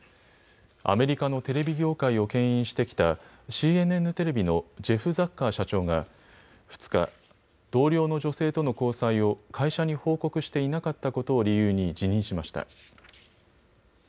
アメリカのテレビ業界をけん引してきたＣＮＮテレビのジェフ・ザッカー社長が２日、同僚の女性との交際を会社に報告していなかったことを理由に辞任しました。